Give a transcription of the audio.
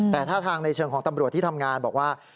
แต่ถ้าทางในเชิงของตำรวจที่ทำงานบอกว่า